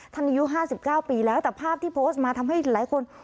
ท่านอายุห้าสิบเก้าปีแล้วแต่ภาพที่โพสต์มาทำให้หลายคน